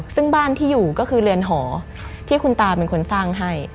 ซึ่งบ้านที่อยู่ก็คือเรือนหอที่คุณตาเป็นคนสร้างให้